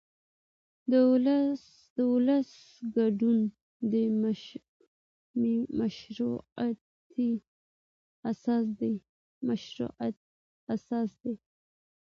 د ولس ګډون د مشروعیت اساس دی